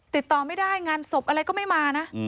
ติดต่อไม่ได้งานศพอะไรก็ไม่มานะ